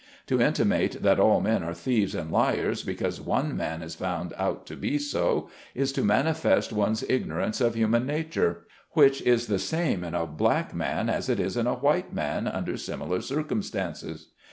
To inti mate that all men are thieves and liars, because one man is found out to be so, is to manifest one's igno rance of human nature ; which is the same in a black man as it is in a white man, under similar circumstances.